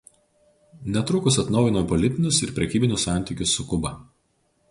Netrukus atnaujino politinius ir prekybinius santykius su Kuba.